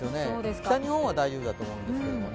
北日本は大丈夫だと思うんですけどね。